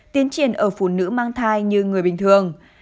tiến triển ở phụ nữ mang thai như người bình thường